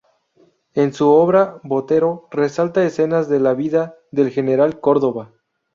En su obra Botero resalta escenas de la vida del General Córdova.